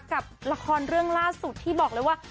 กับละครเรื่องล่าสุดที่บอกเลยว่า